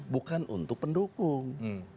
bukan untuk pendukung